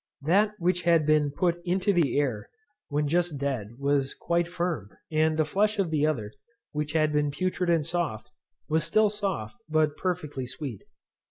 That which had been put into the air when just dead was quite firm; and the flesh of the other, which had been putrid and soft, was still soft, but perfectly sweet.